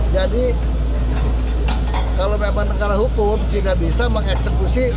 jadi kalau memang negara hukum tidak bisa mengeksekusi